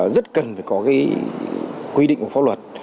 rất cần phải có cái quy định của pháp luật